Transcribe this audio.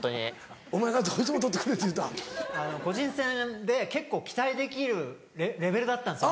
個人戦で結構期待できるレベルだったんですよ